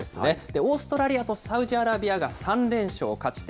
オーストラリアとサウジアラビアが３連勝、勝ち点